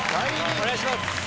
お願いします。